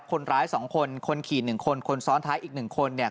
คนร้ายสองคนคนขี่หนึ่งคนคนซ้อนท้ายอีกหนึ่งคนเนี่ย